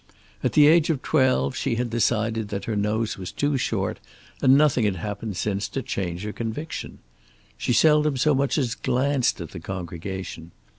At the age of twelve she had decided that her nose was too short, and nothing had happened since to change her conviction. She seldom so much as glanced at the congregation.